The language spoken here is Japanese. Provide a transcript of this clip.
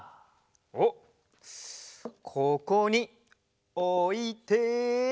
おっここにおいて。